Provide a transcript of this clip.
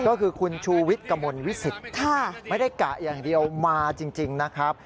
ก็คือคุณชูวิทย์กระมวลวิสิตไม่ได้กะอย่างเดียวมาจริงนะครับ